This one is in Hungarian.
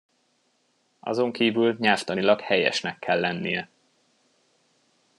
Azonkívül nyelvtanilag helyesnek kell lennie.